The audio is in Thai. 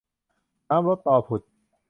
น้ำลดตอผุด